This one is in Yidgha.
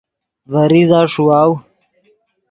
ڤے ریزہ ݰیواؤ